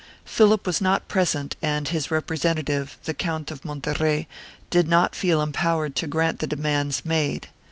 Philip was not present and hi& representative, the Count of Monterrey, did not feel empowered to grant the demands made.